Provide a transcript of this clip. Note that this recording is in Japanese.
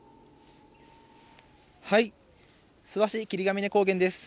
諏訪市霧ヶ峰高原です。